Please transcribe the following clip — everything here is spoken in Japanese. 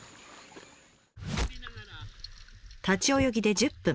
立ち泳ぎで１０分。